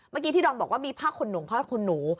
เมื่อกี้ที่ดอลบอกว่ามีภาคคุณหนู